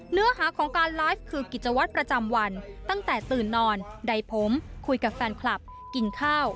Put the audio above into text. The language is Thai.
เนื้อหาของการไลฟ์คือกิจวัตรประจำวันตั้งแต่ตื่นนอนใดผมคุยกับแฟนคลับกินข้าว